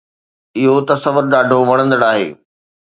اهو تصور ڏاڍو وڻندڙ آهي